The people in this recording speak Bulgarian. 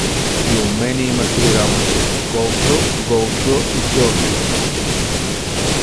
— И у мене има три работи: Колчо, Голчо и Кьорчо!